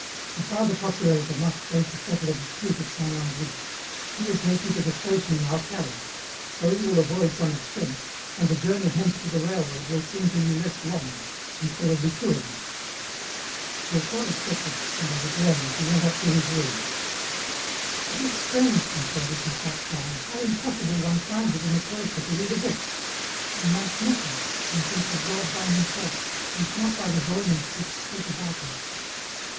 The Father procurator must go to settle a dispute at Saint Landry. He will take you to the station in our carriage. So you will avoid some expense, and the journey hence to the railroad will seem to you less long, since there will be two of you." Durtal accepted, and as it rained, he went up to his room. " It is strange," he said, as he sat down, " how impossible one finds it in a cloister to read a book ; one wants nothing, one thinks of God by Himself, and not by the volumes which speak about Him."